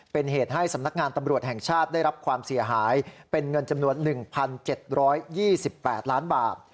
เป็นเหตุให้สำนักงานตำรวจแห่งชาติได้รับความเสียหายเป็นเงินจำนวน๑๗๒๘ล้านบาท